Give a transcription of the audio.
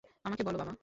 আমাকে বল - বাবা!